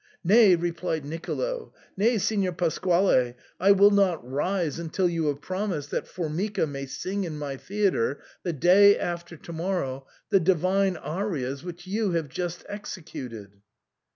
"Nay," replied Nicolo, "nay, Signor Pasquale, I will not rise until you have promised that Formica may sing in my theatre the day after to morrow the divine arias which you have just executed."